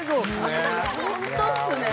ホントっすね！